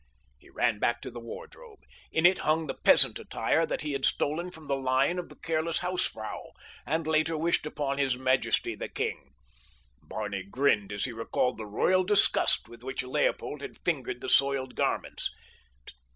He ran back to the wardrobe. In it hung the peasant attire that he had stolen from the line of the careless house frau, and later wished upon his majesty the king. Barney grinned as he recalled the royal disgust with which Leopold had fingered the soiled garments.